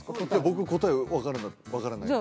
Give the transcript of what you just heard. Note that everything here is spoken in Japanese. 僕答え分からないんです